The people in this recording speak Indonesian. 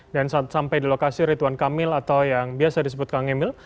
dan saat sampai di lokasi rituan kamil atau yang biasa disebut kang emil